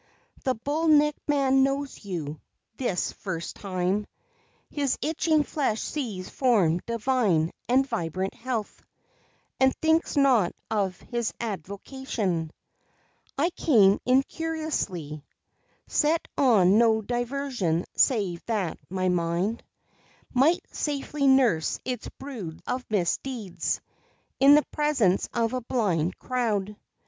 The bull necked man knows you this first time His itching flesh sees form divine and vibrant health And thinks not of his avocation. I came incuriously Set on no diversion save that my mind Might safely nurse its brood of misdeeds In the presence of a blind crowd.